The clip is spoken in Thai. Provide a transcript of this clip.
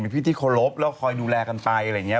พี่ที่เคารพแล้วคอยดูแลกันไปอะไรอย่างนี้